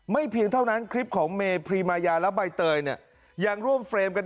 เพียงเท่านั้นคลิปของเมพรีมายาและใบเตยยังร่วมเฟรมกัน